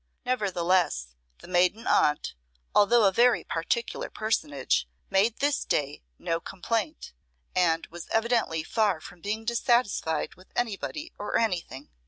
Nevertheless the maiden aunt, although a very particular personage, made this day no complaint, and was evidently far from being dissatisfied with anybody or anything.